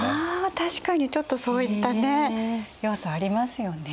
確かにちょっとそういったね要素ありますよね。